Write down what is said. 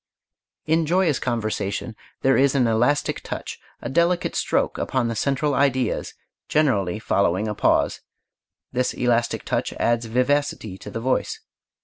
In joyous conversation there is an elastic touch, a delicate stroke, upon the central ideas, generally following a pause. This elastic touch adds vivacity to the voice.